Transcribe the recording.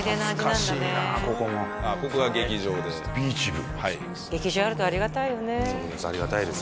懐かしいなここもあっここが劇場でＢｅａｃｈＶはい劇場あるとありがたいよねありがたいです